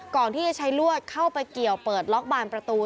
ก่อนที่จะใช้ลวดเข้าไปเกี่ยวเปิดล็อกบานประตู